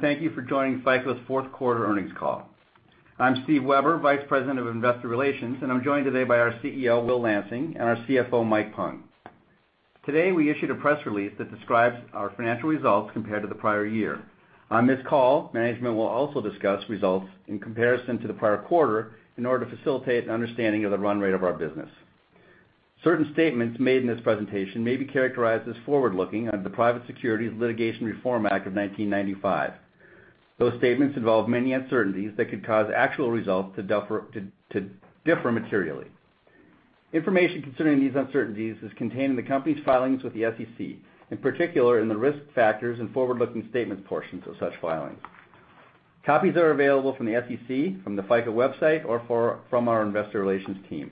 Thank you for joining FICO's fourth quarter earnings call. I'm Steve Weber, Vice President of Investor Relations, and I'm joined today by our CEO, Will Lansing, and our CFO, Mike Pung. Today, we issued a press release that describes our financial results compared to the prior year. On this call, management will also discuss results in comparison to the prior quarter in order to facilitate an understanding of the run rate of our business. Certain statements made in this presentation may be characterized as forward-looking under the Private Securities Litigation Reform Act of 1995. Those statements involve many uncertainties that could cause actual results to differ materially. Information concerning these uncertainties is contained in the company's filings with the SEC, in particular in the risk factors and forward-looking statements portions of such filings. Copies are available from the SEC, from the FICO website, or from our investor relations team.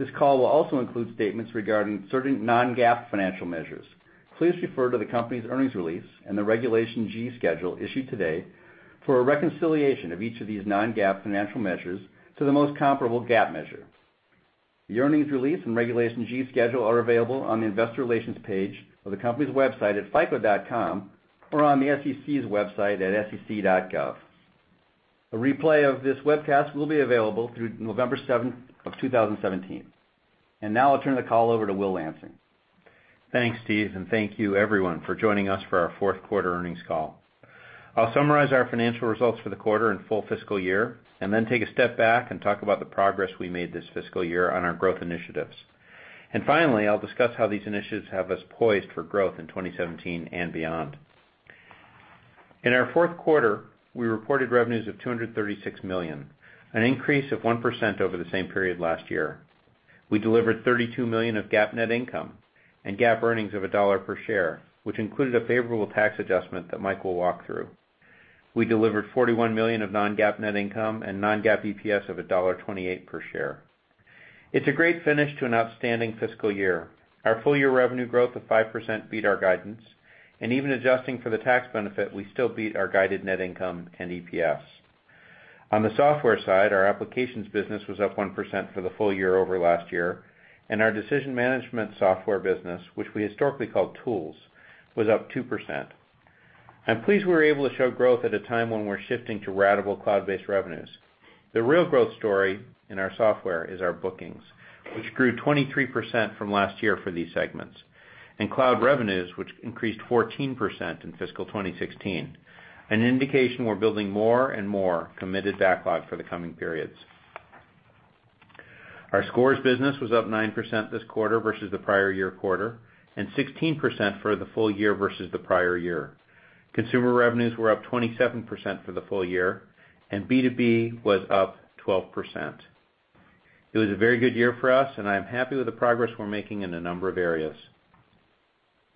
This call will also include statements regarding certain non-GAAP financial measures. Please refer to the company's earnings release and the Regulation G schedule issued today for a reconciliation of each of these non-GAAP financial measures to the most comparable GAAP measure. The earnings release and Regulation G schedule are available on the investor relations page of the company's website at fico.com or on the SEC's website at sec.gov. A replay of this webcast will be available through November 7th of 2017. Now I'll turn the call over to Will Lansing. Thanks, Steve, thank you everyone for joining us for our fourth quarter earnings call. I'll summarize our financial results for the quarter and full fiscal year then take a step back and talk about the progress we made this fiscal year on our growth initiatives. Finally, I'll discuss how these initiatives have us poised for growth in 2017 and beyond. In our fourth quarter, we reported revenues of $236 million, an increase of 1% over the same period last year. We delivered $32 million of GAAP net income and GAAP earnings of $1 per share, which included a favorable tax adjustment that Mike will walk through. We delivered $41 million of non-GAAP net income and non-GAAP EPS of $1.28 per share. It's a great finish to an outstanding fiscal year. Our full-year revenue growth of 5% beat our guidance, even adjusting for the tax benefit, we still beat our guided net income and EPS. On the software side, our applications business was up 1% for the full year over last year, and our Decision Management Software business, which we historically called Tools, was up 2%. I'm pleased we were able to show growth at a time when we're shifting to ratable cloud-based revenues. The real growth story in our software is our bookings, which grew 23% from last year for these segments. Cloud revenues, which increased 14% in fiscal 2016, an indication we're building more and more committed backlog for the coming periods. Our Scores business was up 9% this quarter versus the prior year quarter, and 16% for the full year versus the prior year. Consumer revenues were up 27% for the full year, and B2B was up 12%. It was a very good year for us, and I am happy with the progress we're making in a number of areas.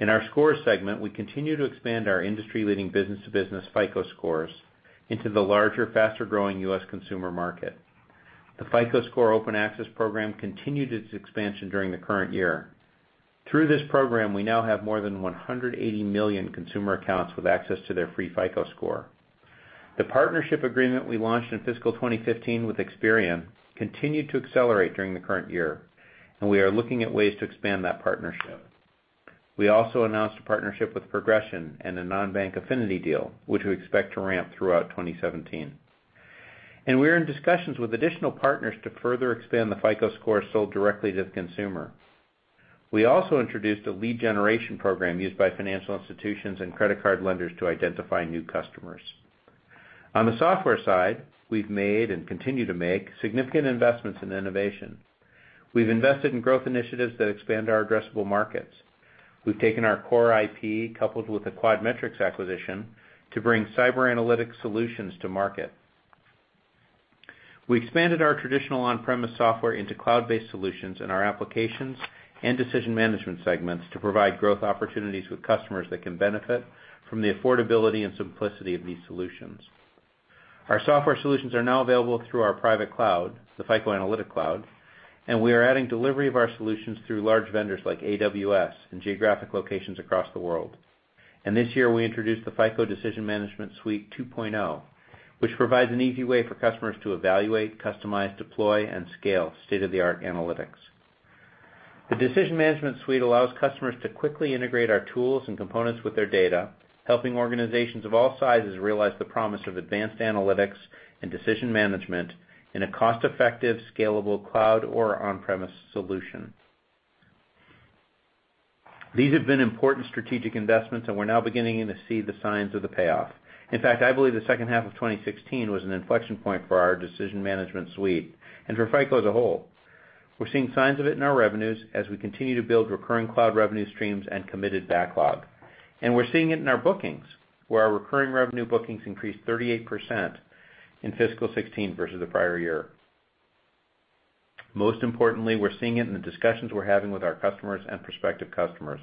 In our Scores segment, we continue to expand our industry-leading business-to-business FICO Scores into the larger, faster-growing U.S. consumer market. The FICO Score Open Access program continued its expansion during the current year. Through this program, we now have more than 180 million consumer accounts with access to their free FICO Score. The partnership agreement we launched in fiscal 2015 with Experian continued to accelerate during the current year, and we are looking at ways to expand that partnership. We also announced a partnership with Progrexion and a non-bank affinity deal, which we expect to ramp throughout 2017. We're in discussions with additional partners to further expand the FICO Score sold directly to the consumer. We also introduced a lead generation program used by financial institutions and credit card lenders to identify new customers. On the software side, we've made, and continue to make, significant investments in innovation. We've invested in growth initiatives that expand our addressable markets. We've taken our core IP, coupled with the QuadMetrics acquisition, to bring cyber analytic solutions to market. We expanded our traditional on-premise software into cloud-based solutions in our applications and decision management segments to provide growth opportunities with customers that can benefit from the affordability and simplicity of these solutions. Our software solutions are now available through our private cloud, the FICO Analytic Cloud, we are adding delivery of our solutions through large vendors like AWS in geographic locations across the world. This year, we introduced the FICO Decision Management Suite 2.0, which provides an easy way for customers to evaluate, customize, deploy, and scale state-of-the-art analytics. The Decision Management Suite allows customers to quickly integrate our tools and components with their data, helping organizations of all sizes realize the promise of advanced analytics and decision management in a cost-effective, scalable cloud or on-premise solution. These have been important strategic investments, and we're now beginning to see the signs of the payoff. In fact, I believe the second half of 2016 was an inflection point for our Decision Management Suite and for FICO as a whole. We're seeing signs of it in our revenues as we continue to build recurring cloud revenue streams and committed backlog. We're seeing it in our bookings, where our recurring revenue bookings increased 38% in fiscal 2016 versus the prior year. Most importantly, we're seeing it in the discussions we're having with our customers and prospective customers.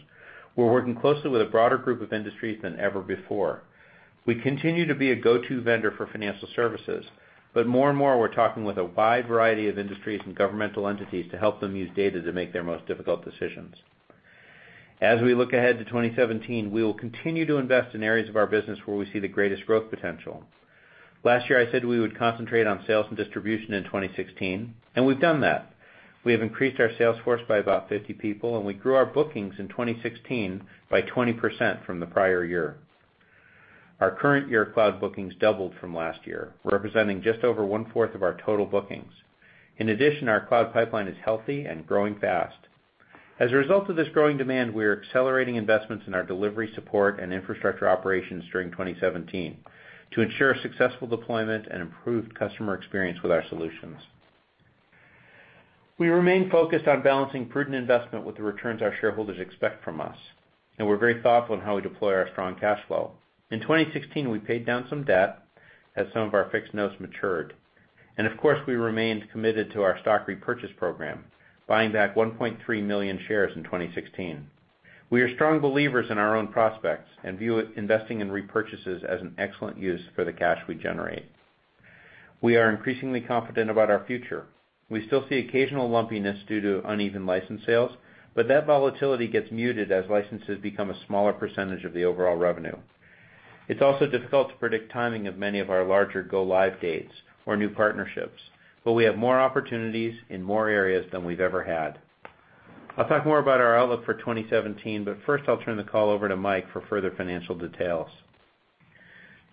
We're working closely with a broader group of industries than ever before. We continue to be a go-to vendor for financial services, more and more, we're talking with a wide variety of industries and governmental entities to help them use data to make their most difficult decisions. As we look ahead to 2017, we will continue to invest in areas of our business where we see the greatest growth potential. Last year, I said we would concentrate on sales and distribution in 2016, we've done that. We have increased our sales force by about 50 people, we grew our bookings in 2016 by 20% from the prior year. Our current year cloud bookings doubled from last year, representing just over one-fourth of our total bookings. In addition, our cloud pipeline is healthy and growing fast. As a result of this growing demand, we are accelerating investments in our delivery support and infrastructure operations during 2017 to ensure successful deployment and improved customer experience with our solutions. We remain focused on balancing prudent investment with the returns our shareholders expect from us, and we're very thoughtful in how we deploy our strong cash flow. In 2016, we paid down some debt as some of our fixed notes matured, and of course, we remained committed to our stock repurchase program, buying back 1.3 million shares in 2016. We are strong believers in our own prospects and view investing in repurchases as an excellent use for the cash we generate. We are increasingly confident about our future. We still see occasional lumpiness due to uneven license sales, but that volatility gets muted as licenses become a smaller percentage of the overall revenue. It's also difficult to predict timing of many of our larger go live dates or new partnerships, but we have more opportunities in more areas than we've ever had. I'll talk more about our outlook for 2017, but first, I'll turn the call over to Mike for further financial details.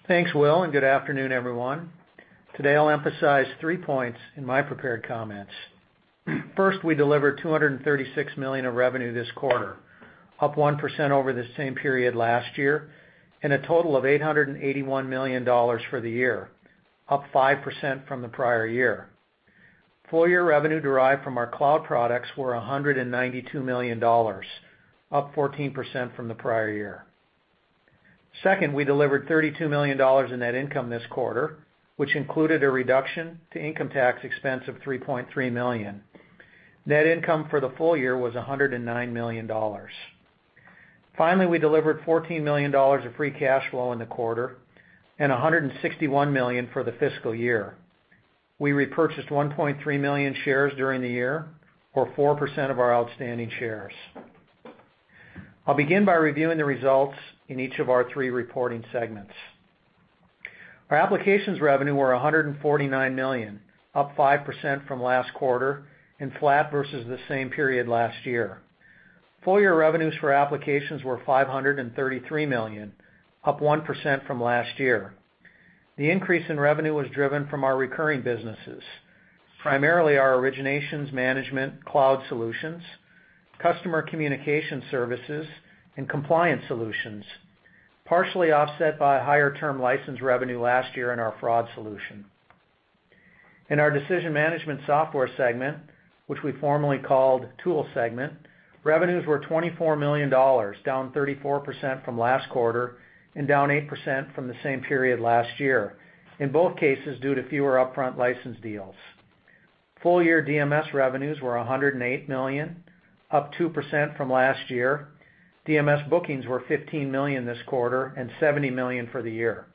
Thanks, Will. Good afternoon, everyone. Today, I'll emphasize three points in my prepared comments. First, we delivered $236 million of revenue this quarter, up 1% over the same period last year, and a total of $881 million for the year, up 5% from the prior year. Full year revenue derived from our cloud products were $192 million, up 14% from the prior year. Second, we delivered $32 million in net income this quarter, which included a reduction to income tax expense of $3.3 million. Net income for the full year was $109 million. Finally, we delivered $14 million of free cash flow in the quarter and $161 million for the fiscal year. We repurchased 1.3 million shares during the year or 4% of our outstanding shares. I'll begin by reviewing the results in each of our three reporting segments. Our applications revenue were $149 million, up 5% from last quarter and flat versus the same period last year. Full year revenues for applications were $533 million, up 1% from last year. The increase in revenue was driven from our recurring businesses, primarily our originations management cloud solutions, Customer Communication Services, and compliance solutions, partially offset by higher term license revenue last year in our fraud solution. In our Decision Management Software segment, which we formerly called Tools segment, revenues were $24 million, down 34% from last quarter and down 8% from the same period last year, in both cases due to fewer upfront license deals. Full year DMS revenues were $108 million, up 2% from last year. DMS bookings were $15 million this quarter and $70 million for the year.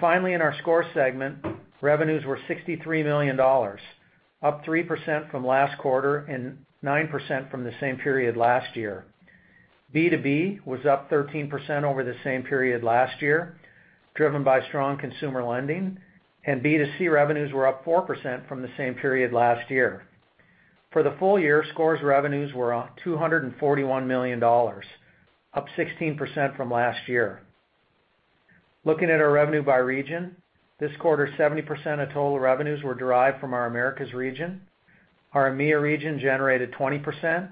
Finally, in our Scores segment, revenues were $63 million, up 3% from last quarter and 9% from the same period last year. B2B was up 13% over the same period last year, driven by strong consumer lending, and B2C revenues were up 4% from the same period last year. For the full year, Scores revenues were $241 million, up 16% from last year. Looking at our revenue by region, this quarter, 70% of total revenues were derived from our Americas region. Our EMEIA region generated 20%,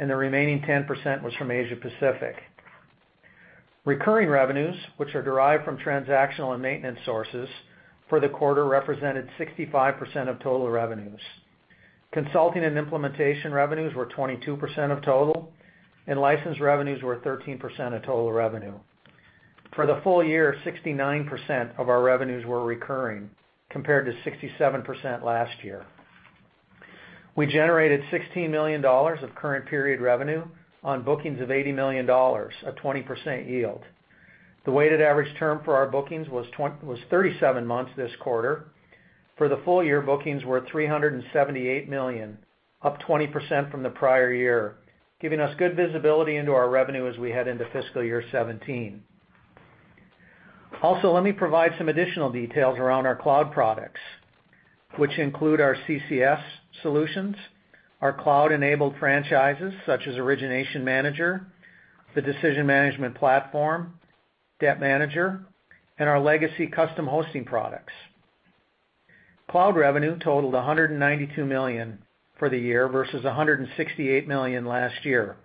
and the remaining 10% was from Asia-Pacific. Recurring revenues, which are derived from transactional and maintenance sources for the quarter represented 65% of total revenues. Consulting and implementation revenues were 22% of total, and license revenues were 13% of total revenue. For the full year, 69% of our revenues were recurring, compared to 67% last year. We generated $16 million of current period revenue on bookings of $80 million, a 20% yield. The weighted average term for our bookings was 37 months this quarter. For the full year, bookings were $378 million, up 20% from the prior year, giving us good visibility into our revenue as we head into fiscal year 2017. Let me provide some additional details around our cloud products, which include our CCS solutions, our cloud-enabled franchises such as Origination Manager, the Decision Management Platform, Debt Manager, and our legacy custom hosting products. Cloud revenue totaled $192 million for the year versus $168 million last year,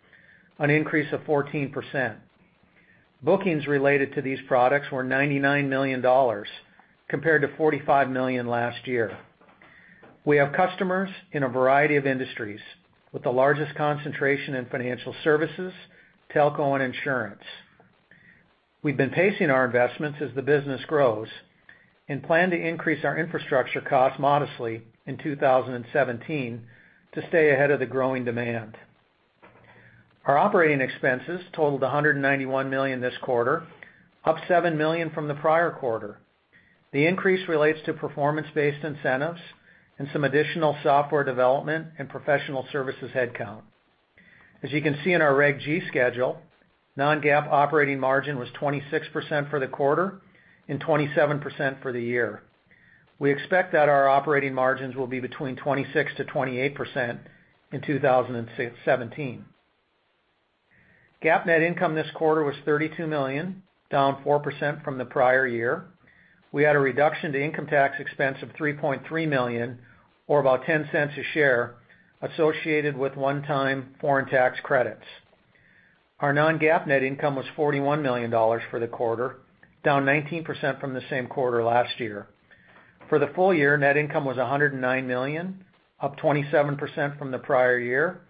an increase of 14%. Bookings related to these products were $99 million compared to $45 million last year. We have customers in a variety of industries, with the largest concentration in financial services, telco, and insurance. We've been pacing our investments as the business grows and plan to increase our infrastructure costs modestly in 2017 to stay ahead of the growing demand. Our operating expenses totaled $191 million this quarter, up $7 million from the prior quarter. The increase relates to performance-based incentives and some additional software development and professional services headcount. As you can see in our Reg G schedule, non-GAAP operating margin was 26% for the quarter and 27% for the year. We expect that our operating margins will be between 26%-28% in 2017. GAAP net income this quarter was $32 million, down 4% from the prior year. We had a reduction to income tax expense of $3.3 million or about $0.10 a share associated with one-time foreign tax credits. Our non-GAAP net income was $41 million for the quarter, down 19% from the same quarter last year. For the full year, net income was $109 million, up 27% from the prior year,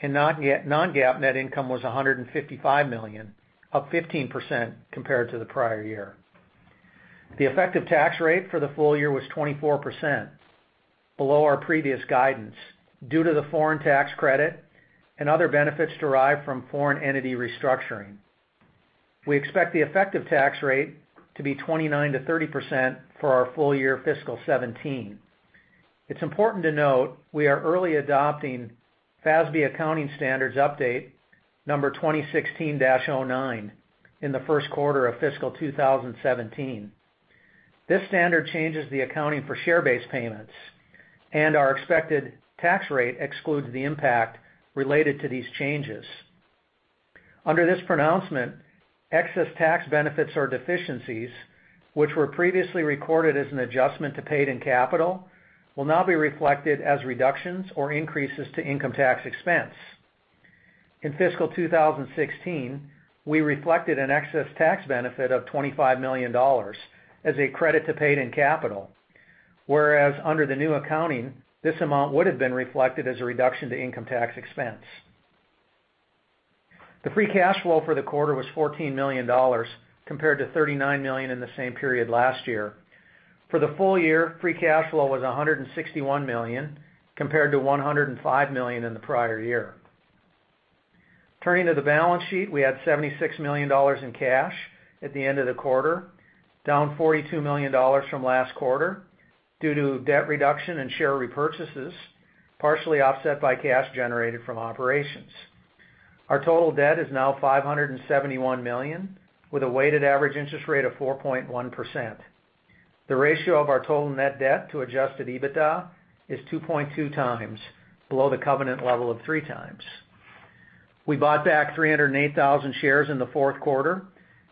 and non-GAAP net income was $155 million, up 15% compared to the prior year. The effective tax rate for the full year was 24%, below our previous guidance due to the foreign tax credit and other benefits derived from foreign entity restructuring. We expect the effective tax rate to be 29%-30% for our full year fiscal 2017. Important to note, we are early adopting FASB Accounting Standards Update No. 2016-09 in the first quarter of fiscal 2017. This standard changes the accounting for share-based payments, and our expected tax rate excludes the impact related to these changes. Under this pronouncement, excess tax benefits or deficiencies, which were previously recorded as an adjustment to paid-in capital, will now be reflected as reductions or increases to income tax expense. In fiscal 2016, we reflected an excess tax benefit of $25 million as a credit to paid-in capital, whereas under the new accounting, this amount would have been reflected as a reduction to income tax expense. The free cash flow for the quarter was $14 million, compared to $39 million in the same period last year. For the full year, free cash flow was $161 million, compared to $105 million in the prior year. Turning to the balance sheet, we had $76 million in cash at the end of the quarter, down $42 million from last quarter due to debt reduction and share repurchases, partially offset by cash generated from operations. Our total debt is now $571 million, with a weighted average interest rate of 4.1%. The ratio of our total net debt to adjusted EBITDA is 2.2x, below the covenant level of 3x. We bought back 308,000 shares in the fourth quarter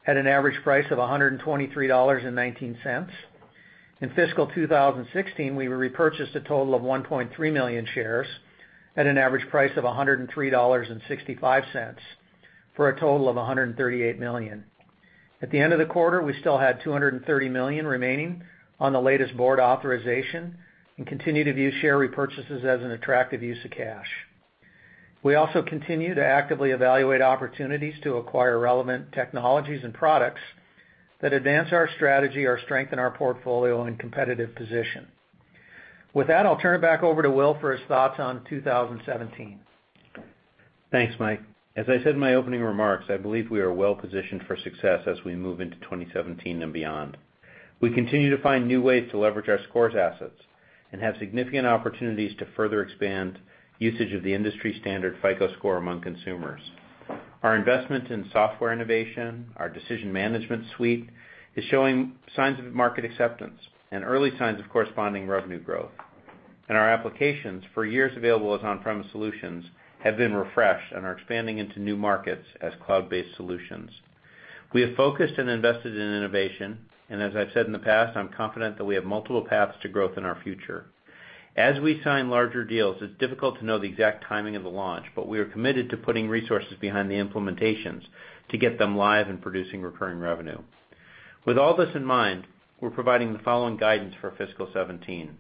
at an average price of $123.19. In fiscal 2016, we repurchased a total of 1.3 million shares at an average price of $103.65 for a total of $138 million. At the end of the quarter, we still had $230 million remaining on the latest board authorization and continue to view share repurchases as an attractive use of cash. We also continue to actively evaluate opportunities to acquire relevant technologies and products that advance our strategy or strengthen our portfolio and competitive position. With that, I'll turn it back over to Will for his thoughts on 2017. Thanks, Mike. As I said in my opening remarks, I believe we are well-positioned for success as we move into 2017 and beyond. We continue to find new ways to leverage our scores assets and have significant opportunities to further expand usage of the industry-standard FICO Score among consumers. Our investment in software innovation, our Decision Management Suite, is showing signs of market acceptance and early signs of corresponding revenue growth. Our applications, for years available as on-premise solutions, have been refreshed and are expanding into new markets as cloud-based solutions. We have focused and invested in innovation, as I've said in the past, I'm confident that we have multiple paths to growth in our future. As we sign larger deals, it's difficult to know the exact timing of the launch, but we are committed to putting resources behind the implementations to get them live and producing recurring revenue. With all this in mind, we're providing the following guidance for fiscal 2017.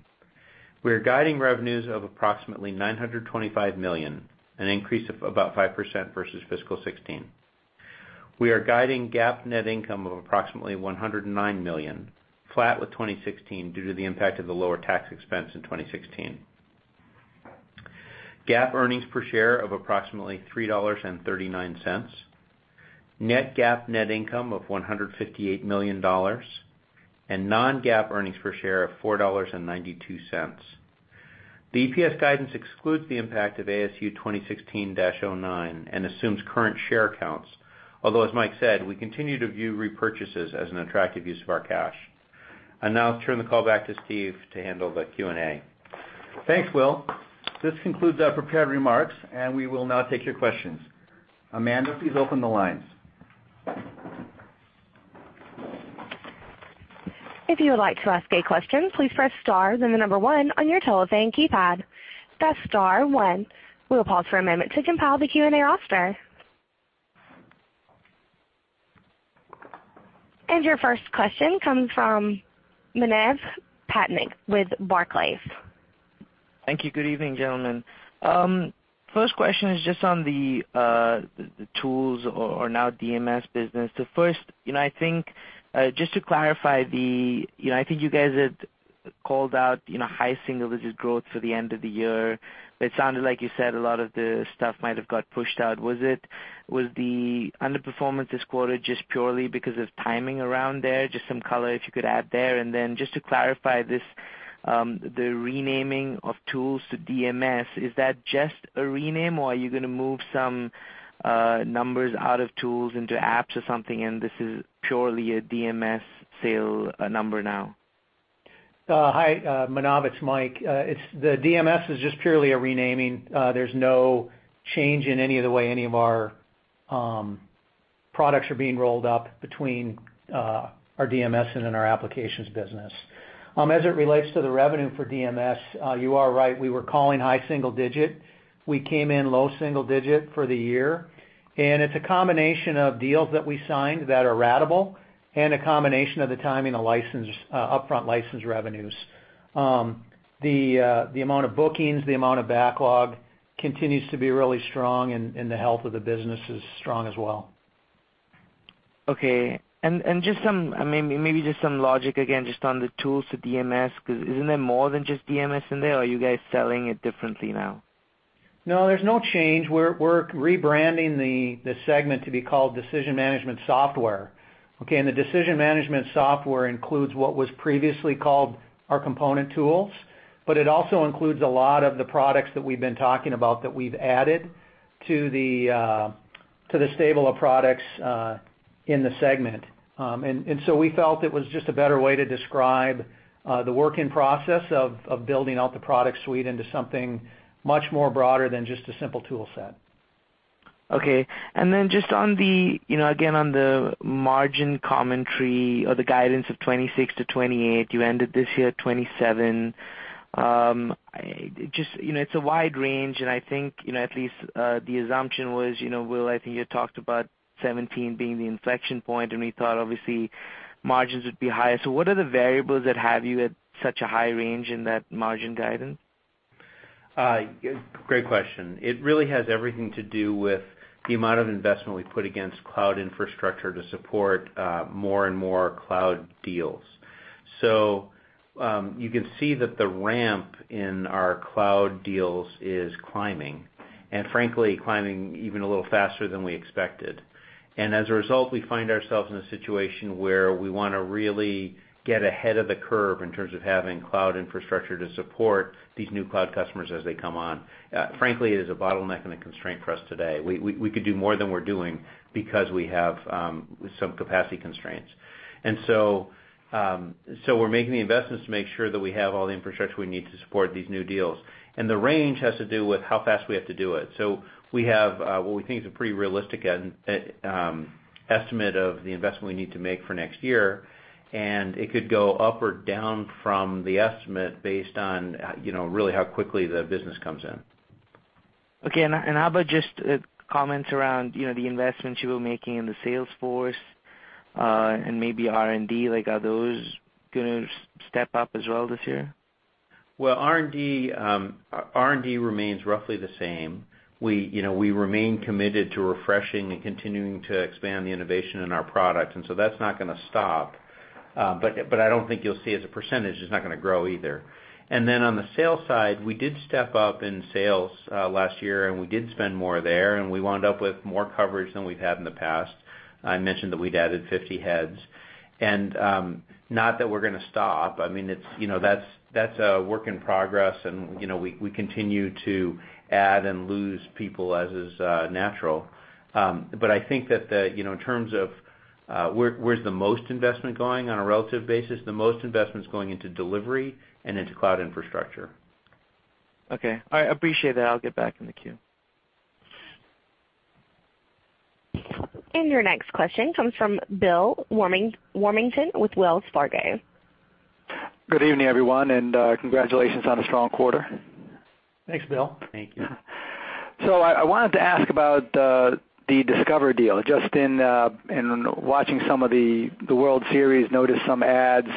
We are guiding revenues of approximately $925 million, an increase of about 5% versus fiscal 2016. We are guiding GAAP net income of approximately $109 million, flat with 2016 due to the impact of the lower tax expense in 2016. GAAP earnings per share of approximately $3.39, non-GAAP net income of $158 million, and non-GAAP earnings per share of $4.92. The EPS guidance excludes the impact of ASU 2016-09 and assumes current share counts. As Mike said, we continue to view repurchases as an attractive use of our cash. I'll now turn the call back to Steve to handle the Q&A. Thanks, Will. This concludes our prepared remarks. We will now take your questions. Amanda, please open the lines. If you would like to ask a question, please press star, then the number one on your telephone keypad. That's star one. We will pause for a moment to compile the Q&A roster. Your first question comes from Manav Patnaik with Barclays. Thank you. Good evening, gentlemen. First question is just on the tools or now DMS business. First, I think just to clarify the, I think you guys had called out high single-digit growth for the end of the year, but it sounded like you said a lot of the stuff might have got pushed out. Was the underperformance this quarter just purely because of timing around there? Just some color, if you could add there, just to clarify this The renaming of Tools to DMS, is that just a rename or are you going to move some numbers out of Tools into Apps or something? This is purely a DMS sale number now? Hi, Manav, it's Mike. The DMS is just purely a renaming. There's no change in any of the way any of our products are being rolled up between our DMS and in our applications business. As it relates to the revenue for DMS, you are right, we were calling high single-digit. We came in low single-digit for the year. It's a combination of deals that we signed that are ratable, and a combination of the timing of upfront license revenues. The amount of bookings, the amount of backlog continues to be really strong, the health of the business is strong as well. Okay. Maybe just some logic again, just on the Tools to DMS, because isn't there more than just DMS in there, or are you guys selling it differently now? No, there's no change. We're rebranding the segment to be called Decision Management Software. Okay. The Decision Management Software includes what was previously called our component tools, but it also includes a lot of the products that we've been talking about that we've added to the stable of products in the segment. We felt it was just a better way to describe the work in process of building out the product suite into something much more broader than just a simple toolset. Okay. Just again, on the margin commentary or the guidance of 26%-28%, you ended this year at 27%. It's a wide range, I think at least the assumption was, Will, I think you had talked about 2017 being the inflection point, we thought obviously margins would be higher. What are the variables that have you at such a high range in that margin guidance? Great question. It really has everything to do with the amount of investment we put against cloud infrastructure to support more and more cloud deals. You can see that the ramp in our cloud deals is climbing, and frankly, climbing even a little faster than we expected. As a result, we find ourselves in a situation where we want to really get ahead of the curve in terms of having cloud infrastructure to support these new cloud customers as they come on. Frankly, it is a bottleneck and a constraint for us today. We could do more than we're doing because we have some capacity constraints. We're making the investments to make sure that we have all the infrastructure we need to support these new deals. The range has to do with how fast we have to do it. We have what we think is a pretty realistic estimate of the investment we need to make for next year, it could go up or down from the estimate based on really how quickly the business comes in. Okay. How about just comments around the investments you were making in the sales force, and maybe R&D, like are those going to step up as well this year? Well, R&D remains roughly the same. We remain committed to refreshing and continuing to expand the innovation in our product, that's not going to stop. I don't think you'll see as a percentage, it's not going to grow either. On the sales side, we did step up in sales last year, we did spend more there, we wound up with more coverage than we've had in the past. I mentioned that we'd added 50 heads. Not that we're going to stop. That's a work in progress, we continue to add and lose people as is natural. I think that in terms of where's the most investment going on a relative basis, the most investment's going into delivery and into cloud infrastructure. Okay. All right. I appreciate that. I'll get back in the queue. Your next question comes from Bill Warmington with Wells Fargo. Good evening, everyone, and congratulations on a strong quarter. Thanks, Bill. Thank you. I wanted to ask about the Discover deal. Just in watching some of the World Series, noticed some ads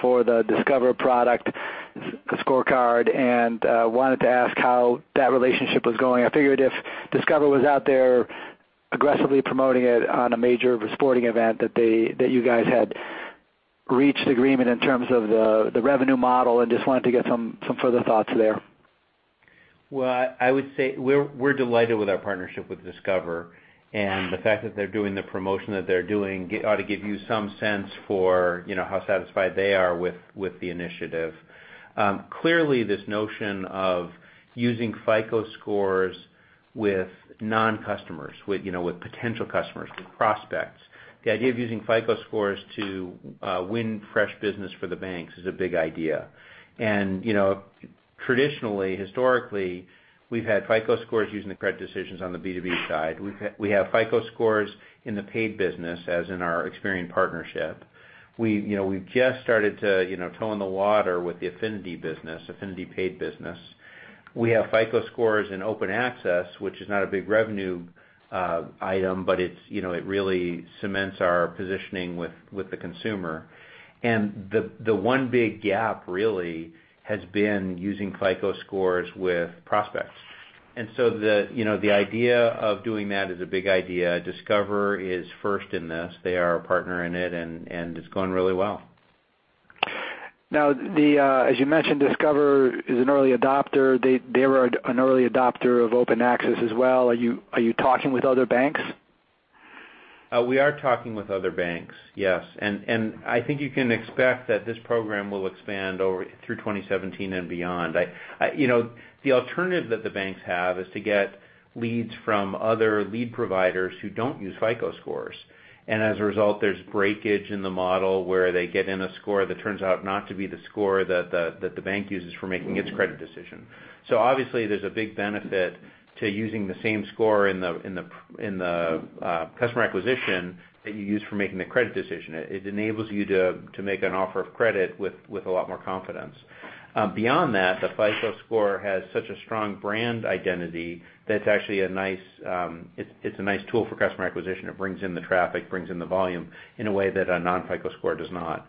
for the Discover product, the scorecard, and wanted to ask how that relationship was going. I figured if Discover was out there aggressively promoting it on a major sporting event that you guys had reached agreement in terms of the revenue model and just wanted to get some further thoughts there. Well, I would say we're delighted with our partnership with Discover, and the fact that they're doing the promotion that they're doing ought to give you some sense for how satisfied they are with the initiative. Clearly, this notion of using FICO Scores with non-customers, with potential customers, with prospects. The idea of using FICO Scores to win fresh business for the banks is a big idea. Traditionally, historically, we've had FICO Scores using the credit decisions on the B2B side. We have FICO Scores in the paid business as in our Experian partnership. We've just started to toe in the water with the affinity business, affinity paid business. We have FICO Scores in Open Access, which is not a big revenue item, but it really cements our positioning with the consumer. The one big gap really has been using FICO Scores with prospects. The idea of doing that is a big idea. Discover is first in this. They are our partner in it, and it's going really well. As you mentioned, Discover is an early adopter. They were an early adopter of Open Access as well. Are you talking with other banks? We are talking with other banks, yes. I think you can expect that this program will expand through 2017 and beyond. The alternative that the banks have is to get leads from other lead providers who don't use FICO Scores. As a result, there's breakage in the model where they get in a score that turns out not to be the score that the bank uses for making its credit decision. Obviously, there's a big benefit to using the same score in the customer acquisition that you use for making the credit decision. It enables you to make an offer of credit with a lot more confidence. Beyond that, the FICO Score has such a strong brand identity that it's a nice tool for customer acquisition. It brings in the traffic, brings in the volume in a way that a non-FICO Score does not.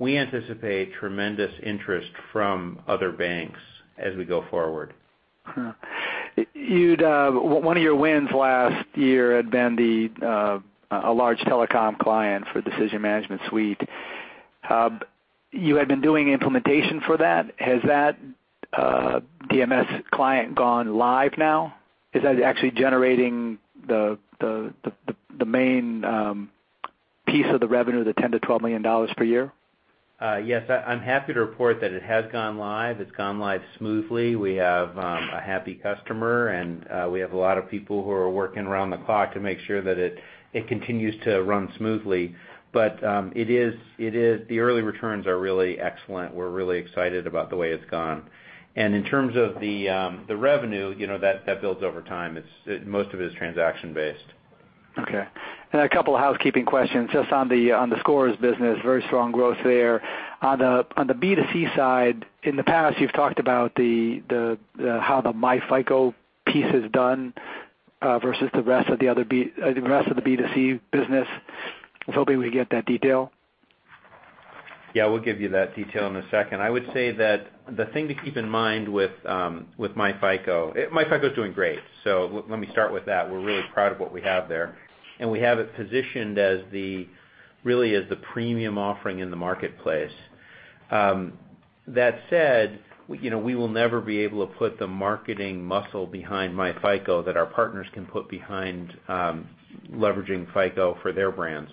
We anticipate tremendous interest from other banks as we go forward. One of your wins last year had been a large telecom client for Decision Management Suite. You had been doing implementation for that. Has that DMS client gone live now? Is that actually generating the main piece of the revenue, the $10 million-$12 million per year? Yes, I'm happy to report that it has gone live. It's gone live smoothly. We have a happy customer, and we have a lot of people who are working around the clock to make sure that it continues to run smoothly. The early returns are really excellent. We're really excited about the way it's gone. In terms of the revenue, that builds over time. Most of it is transaction-based. Okay. A couple of housekeeping questions just on the scores business, very strong growth there. On the B2C side, in the past, you've talked about how the myFICO piece is done versus the rest of the B2C business. I was hoping we could get that detail. Yeah, we'll give you that detail in a second. I would say that the thing to keep in mind with myFICO's doing great. Let me start with that. We're really proud of what we have there. We have it positioned really as the premium offering in the marketplace. That said, we will never be able to put the marketing muscle behind myFICO that our partners can put behind leveraging FICO for their brands.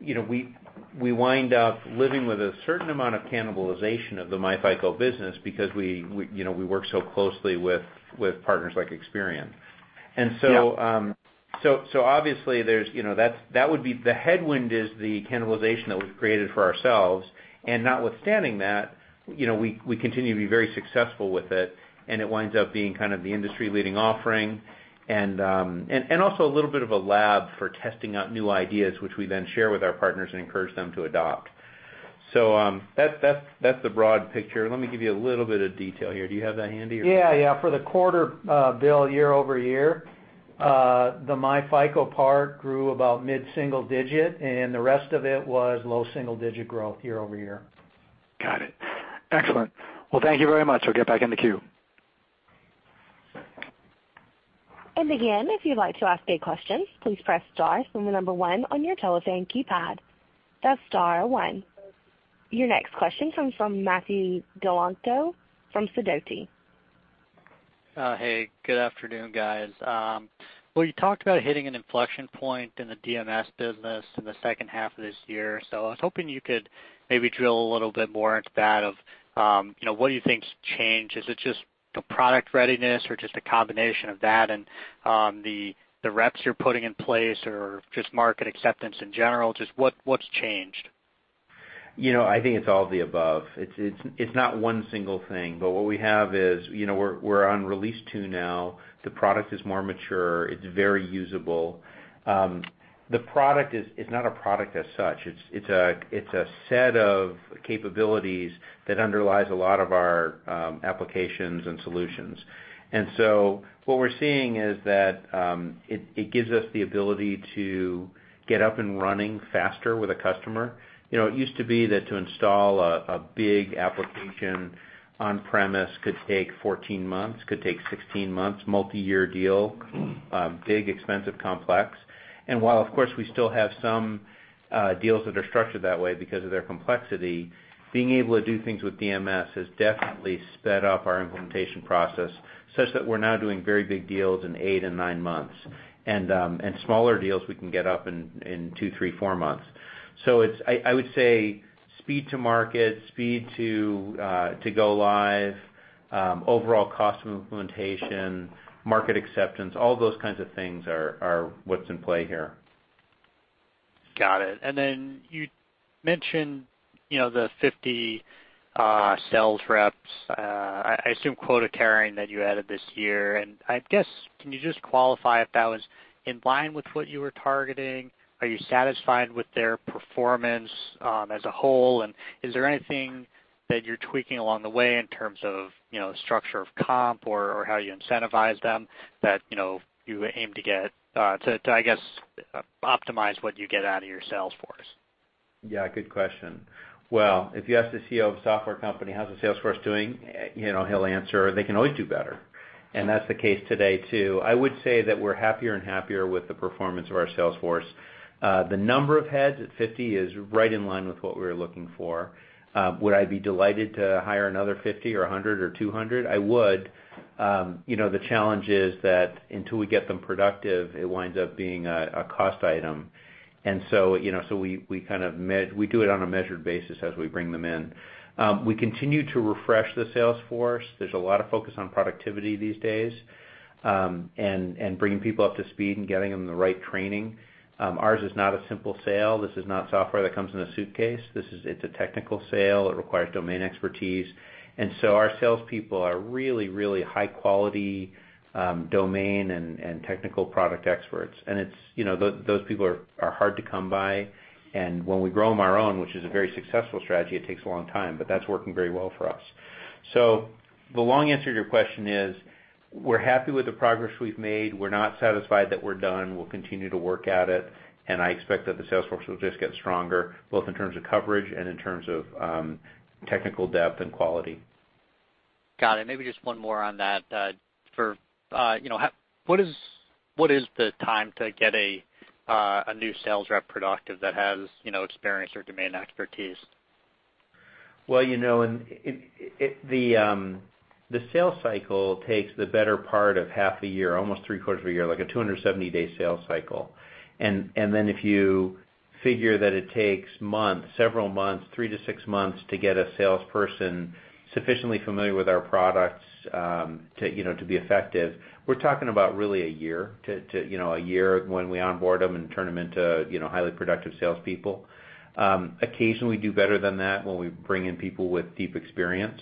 We wind up living with a certain amount of cannibalization of the myFICO business because we work so closely with partners like Experian. Yeah. Obviously, the headwind is the cannibalization that we've created for ourselves. Notwithstanding that, we continue to be very successful with it and it winds up being kind of the industry-leading offering and also a little bit of a lab for testing out new ideas, which we then share with our partners and encourage them to adopt. That's the broad picture. Let me give you a little bit of detail here. Do you have that handy or? Yeah. For the quarter, Bill, year-over-year, the myFICO part grew about mid-single digit, and the rest of it was low single-digit growth year-over-year. Got it. Excellent. Thank you very much. I'll get back in the queue. Again, if you'd like to ask a question, please press star, followed by the number one on your telephone keypad. That's star one. Your next question comes from Matthew Galinko from Sidoti. Hey, good afternoon, guys. You talked about hitting an inflection point in the DMS business in the second half of this year, I was hoping you could maybe drill a little bit more into that of what do you think's changed? Is it just the product readiness or just a combination of that and the reps you're putting in place or just market acceptance in general? Just what's changed? I think it's all of the above. It's not one single thing. What we have is we're on release two now. The product is more mature. It's very usable. The product is not a product as such. It's a set of capabilities that underlies a lot of our applications and solutions. What we're seeing is that it gives us the ability to get up and running faster with a customer. It used to be that to install a big application on-premise could take 14 months, could take 16 months, multi-year deal, big, expensive, complex. While, of course, we still have some deals that are structured that way because of their complexity, being able to do things with DMS has definitely sped up our implementation process such that we're now doing very big deals in eight and nine months. Smaller deals we can get up in two, three, four months. I would say speed to market, speed to go live, overall cost of implementation, market acceptance, all those kinds of things are what's in play here. Got it. You mentioned the 50 sales reps, I assume quota-carrying, that you added this year. I guess, can you just qualify if that was in line with what you were targeting? Are you satisfied with their performance as a whole? Is there anything that you're tweaking along the way in terms of structure of comp or how you incentivize them that you aim to, I guess, optimize what you get out of your sales force? Yeah, good question. If you ask the CEO of a software company how's the sales force doing, he'll answer, "They can always do better." That's the case today, too. I would say that we're happier and happier with the performance of our sales force. The number of heads at 50 is right in line with what we were looking for. Would I be delighted to hire another 50 or 100 or 200? I would. The challenge is that until we get them productive, it winds up being a cost item. We do it on a measured basis as we bring them in. We continue to refresh the sales force. There's a lot of focus on productivity these days, and bringing people up to speed and getting them the right training. Ours is not a simple sale. This is not software that comes in a suitcase. It's a technical sale. It requires domain expertise. Our salespeople are really high-quality domain and technical product experts. Those people are hard to come by. When we grow them our own, which is a very successful strategy, it takes a long time, but that's working very well for us. The long answer to your question is, we're happy with the progress we've made. We're not satisfied that we're done. We'll continue to work at it, and I expect that the sales force will just get stronger, both in terms of coverage and in terms of technical depth and quality. Got it. Maybe just one more on that. What is the time to get a new sales rep productive that has experience or domain expertise? Well, the sales cycle takes the better part of half a year, almost three-quarters of a year, like a 270-day sales cycle. If you figure that it takes months, several months, three to six months to get a salesperson sufficiently familiar with our products to be effective, we're talking about really a year when we onboard them and turn them into highly productive salespeople. Occasionally, do better than that when we bring in people with deep experience.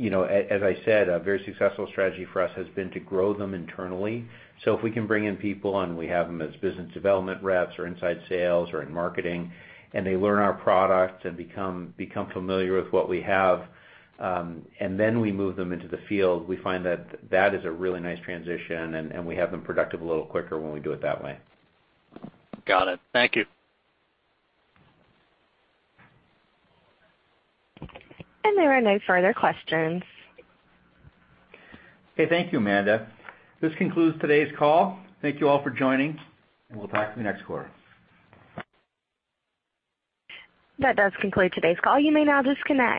As I said, a very successful strategy for us has been to grow them internally. If we can bring in people and we have them as business development reps or inside sales or in marketing, and they learn our products and become familiar with what we have, and then we move them into the field, we find that that is a really nice transition, and we have them productive a little quicker when we do it that way. Got it. Thank you. There are no further questions. Okay. Thank you, Amanda. This concludes today's call. Thank you all for joining, and we'll talk to you next quarter. That does conclude today's call. You may now disconnect.